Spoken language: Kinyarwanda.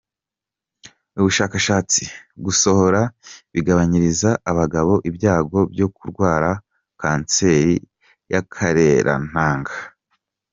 Ubushakashatsi: Gusohora bigabanyiriza abagabo ibyago byo kurwara kanseri y’akarerantanga.